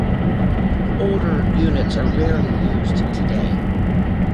Older units are rarely used today.